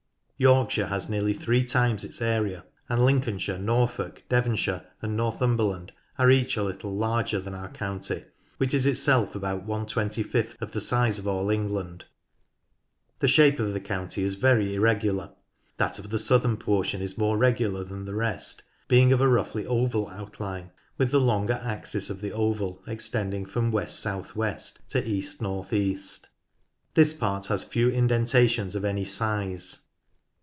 Yorkshire has nearly three times its area, and Lincolnshire, Norfolk, Devonshire, and Northumberland are each a little larger than our county, which is itself about one twenty fifth of the size of all England. The shape of the county is very irregular. That of the southern portion is more regular than the rest, being of a roughly oval outline with the longer axis of the oval extending from west south west to east north east. This part has few indentations of any size.